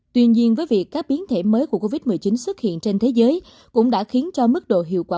tuy nhiên với việc các biến thể mới của covid một mươi chín xuất hiện trên thế giới cũng đã khiến cho mức độ hiệu quả